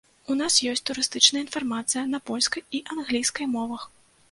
У нас ёсць турыстычная інфармацыя на польскай і англійскай мовах.